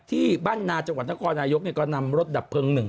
ที่บ้านนาจังหวัดนครนายกเนี่ยก็นำรถดับเพลิง๑คัน